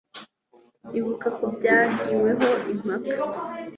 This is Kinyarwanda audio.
ibuka ku byagiweho impaka.